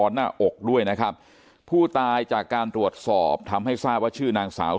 หน้าอกด้วยนะครับผู้ตายจากการตรวจสอบทำให้ทราบว่าชื่อนางสาว